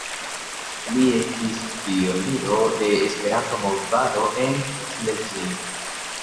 Li estis pioniro de Esperanto-movado en Silezio.